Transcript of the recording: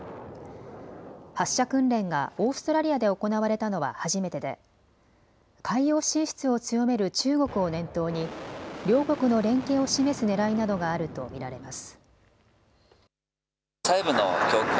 発射訓練がオーストラリアで行われたのは初めてで海洋進出を強める中国を念頭に両国の連携を示すねらいなどがあると見られます。